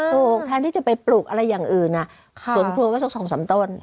ถูกแทนที่จะไปปลูกอะไรอย่างอื่นสวนครัวไว้สัก๒๓ต้น